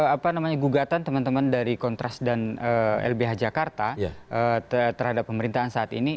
apa namanya gugatan teman teman dari kontras dan lbh jakarta terhadap pemerintahan saat ini